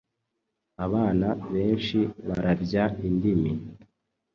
abana benshi barabya indimi